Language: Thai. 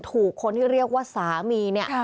ถูกคนที่เรียกว่าสามีเนี่ย